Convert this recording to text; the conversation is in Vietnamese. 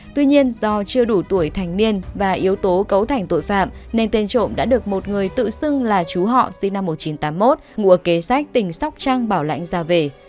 tuy nhiên do chưa đủ tuổi thành niên và yếu tố cấu thành tội phạm nên tên trộm đã được một người tự xưng là chú họ sinh năm một nghìn chín trăm tám mươi một ngụa kế sách tỉnh sóc trăng bảo lãnh ra về